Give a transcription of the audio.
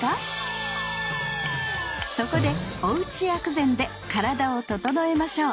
そこでおうち薬膳で体をととのえましょう。